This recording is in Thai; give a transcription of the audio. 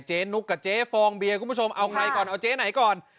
นุกกับเจ๊ฟองเบียร์คุณผู้ชมเอาใครก่อนเอาเจ๊ไหนก่อน